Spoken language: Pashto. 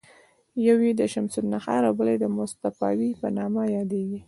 یوه یې د شمس النهار او بله د مصطفاوي په نامه یادېده.